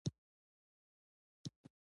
مېوې د افغانستان د امنیت په اړه هم پوره اغېز لري.